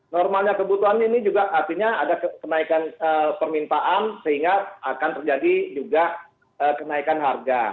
normalnya kebutuhan ini juga artinya ada kenaikan permintaan sehingga akan terjadi juga kenaikan harga